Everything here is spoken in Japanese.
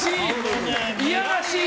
いやらしい！